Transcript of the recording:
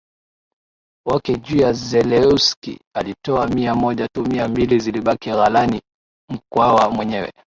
wake juu ya Zelewski alitoa mia moja tu mia mbili zilibaki ghalani Mkwawa mwenyewe